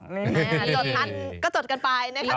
จดทั้งก็จดกันไปนะครับ